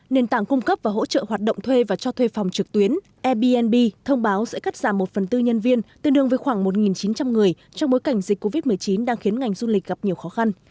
nền tảng cung cấp và hỗ trợ hoạt động thuê và cho thuê phòng trực tuyến airbnb thông báo sẽ cắt giảm một phần tư nhân viên tương đương với khoảng một chín trăm linh người trong bối cảnh dịch covid một mươi chín đang khiến ngành du lịch gặp nhiều khó khăn